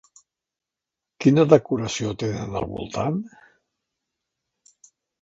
Quina decoració tenen al voltant?